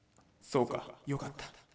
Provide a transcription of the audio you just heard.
「そうかよかった。